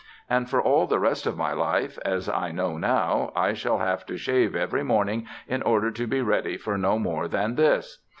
And for all the rest of my life, as I know now, I shall have to shave every morning in order to be ready for no more than this!...